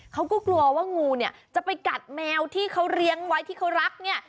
เขาก็กลัวว่างูเนี่ยจะไปกัดแมวที่เขาเลี้ยงไว้ที่เขารักเนี่ย